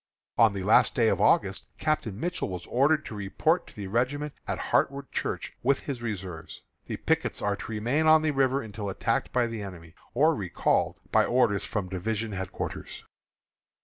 On the last day of August, Captain Mitchell was ordered to report to the regiment at Hartwood Church, with his reserves. The pickets are to remain on the river until attacked by the enemy or recalled by orders from division headquarters.